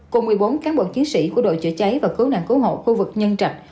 cùng một mươi bốn cán bộ chiến sĩ của đội chữa cháy và cứu nạn cứu hộ khu vực nhân trạch